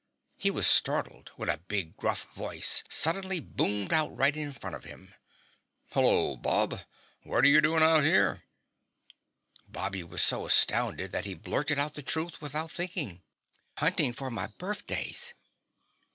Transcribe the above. He was startled when a big gruff voice suddenly boomed out right in front of him: "Hullo, Bub! What're you doin' out here?" Bobby was so astounded that he blurted out the truth without thinking. "Hunting for my birthdays."